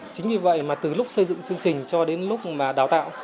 chính vì vậy mà từ lúc xây dựng chương trình cho đến lúc mà đào tạo